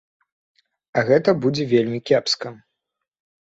А гэта будзе вельмі кепска.